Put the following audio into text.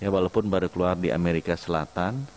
walaupun baru keluar di amerika selatan